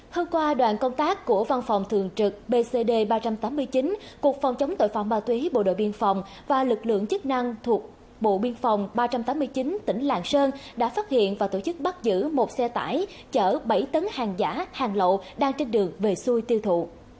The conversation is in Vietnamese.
hôm qua đoàn công tác của văn phòng thường trực bcd ba trăm tám mươi chín cục phòng chống tội phạm ma túy bộ đội biên phòng và lực lượng chức năng thuộc bộ biên phòng ba trăm tám mươi chín tỉnh lạng sơn đã phát hiện và tổ chức bắt giữ một xe tải chở bảy tấn hàng giả hàng lậu đang trên đường về xuôi tiêu thụ